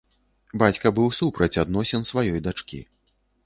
Бацька быў супраць адносін сваёй дачкі.